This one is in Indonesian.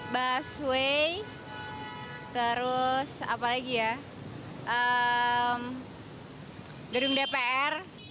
busway terus apa lagi ya gedung dpr